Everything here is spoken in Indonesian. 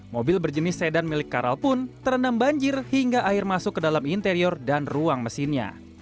mobil berjenis sedan milik karal pun terendam banjir hingga air masuk ke dalam interior dan ruang mesinnya